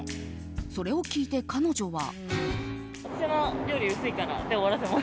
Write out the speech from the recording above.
それを聞いて彼女は。